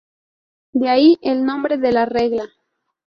De ahí, el nombre de la regla.